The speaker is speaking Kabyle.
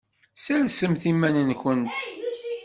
Sersemt iman-nkent!